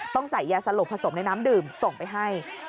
ต้องใส่ยาสลบผสมในน้ำดื่มส่งไปให้